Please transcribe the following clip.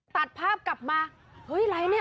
ตัดภาพกลับมาเฮ้ยอะไรเนี่ย